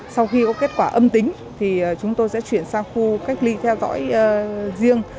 sau khi có kết quả âm tính chúng tôi sẽ chuyển sang khu cách ly theo dõi riêng